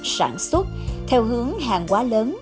sản xuất theo hướng hàng quá lớn